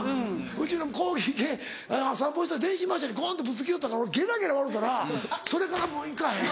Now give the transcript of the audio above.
うちのコーギー犬散歩してたら電信柱にゴンってぶつけよったから俺ゲラゲラ笑うたらそれからもう「行かへん」。